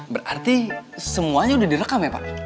berarti semuanya sudah direkam ya pak